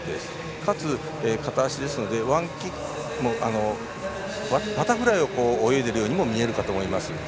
かつ片足ですのでバタフライを泳いでいるようにも見えるかと思います。